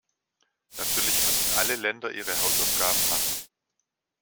Natürlich müssen alle Länder ihre Hausaufgaben machen.